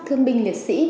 thương binh liệt sĩ